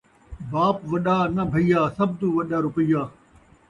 باپ وݙا نہ بھیا، سب توں وݙا روپیہ